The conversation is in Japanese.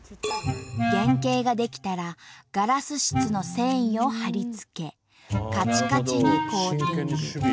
原型が出来たらガラス質の繊維を貼り付けカチカチにコーティング。